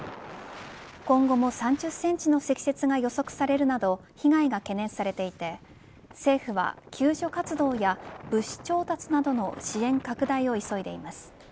今後も３０センチの積雪が予測されるなど被害が懸念されていて政府は救助活動や物資調達などの支援拡大を急いでいます。